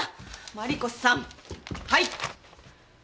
マリコさんはい。